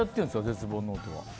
絶望ノートは。